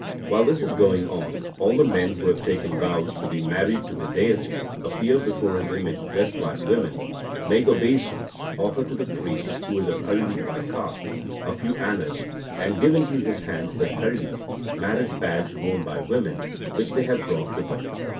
While this is going on, all the men who have taken vows to be married to the deity appear before his image dressed like women, make obeisance, offer to the priest (who is a Palli by caste) a few annas, and give into his hands the talis (marriage badge worn by women) which they have brought with them.